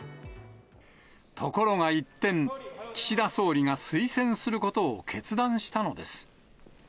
ところが一転、岸田総理が推薦することを決断したのです。